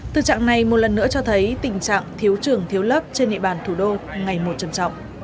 thực trạng này một lần nữa cho thấy tình trạng thiếu trường thiếu lớp trên địa bàn thủ đô ngày một chầm trọng